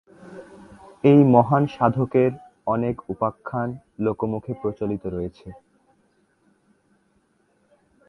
এই মহান সাধকের অনেক উপাখ্যান লোক মুখে প্রচলিত রয়েছে।